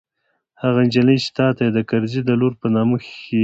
هغه نجلۍ چې تا ته يې د کرزي د لور په نامه ښييلې وه.